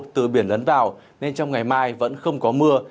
từ biển lấn vào nên trong ngày mai vẫn không có mưa